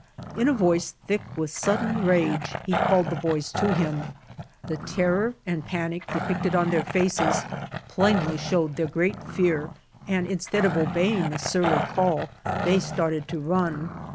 In a voice thick with sudden rage he called the boys to him. The terror and the panic depicted 'on their faces plainly showed their great fear and instead of obeying the surly call they started to run.